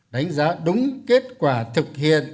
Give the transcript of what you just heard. đánh giá đúng kết quả thực hiện